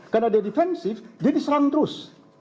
karena dia defensif dia diserang terus